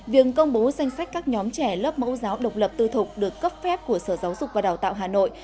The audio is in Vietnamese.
việc công bố danh sách các nhóm trẻ lớp mẫu giáo độc lập tư thục được cấp phép của sở giáo dục và đào tạo hà nội